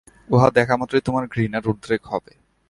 উহা দেখা মাত্রই তোমার ঘৃণার উদ্রেক হইবে।